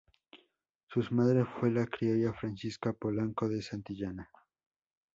Sus Madre fue la criolla Francisca Polanco de Santillana.